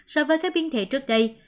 so với các biến thể trước đây